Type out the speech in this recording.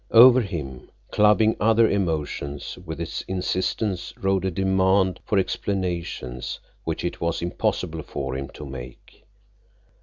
Over him, clubbing other emotions with its insistence, rode a demand for explanations which it was impossible for him to make.